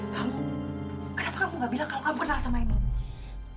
kamu kenapa kamu gak bilang kalau kamu pernah sama emang